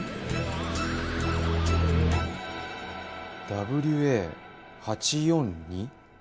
「ＷＡ８４２」。